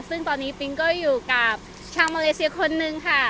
ซึ่งตอนนี้ปิ๊งก็อยู่กับชาวมาเลเซียคนนึงค่ะ